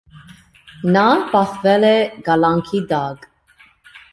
Նա պահվել է կալանքի տակ։